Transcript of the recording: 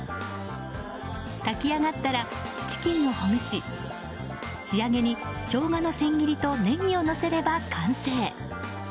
炊き上がったらチキンをほぐし仕上げに、ショウガの千切りとネギをのせれば完成。